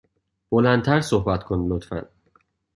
بلند تر صحبت کن، لطفا.